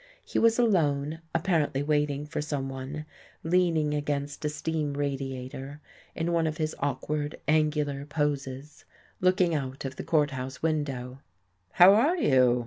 He was alone, apparently waiting for someone, leaning against a steam radiator in one of his awkward, angular poses, looking out of the court house window. "How are you?"